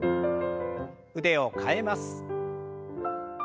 腕を替えます。